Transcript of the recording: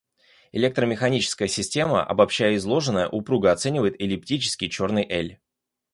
Электромеханическая система, обобщая изложенное, упруго оценивает эллиптический черный эль.